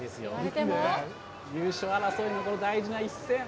優勝を争うこの大事な一戦。